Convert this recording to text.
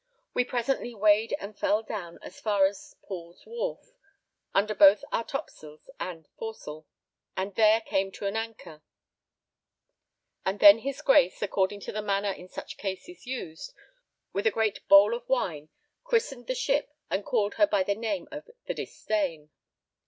We presently weighed and fell down as far as Paul's Wharf, under both our topsails and foresail, and there came to an anchor; and then his Grace, according to the manner in such cases used, with a great bowl of wine christened the ship and called her by the name of the Disdain.